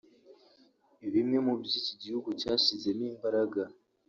Bimwe mu byo iki gihugu cyashyizemo imbaraga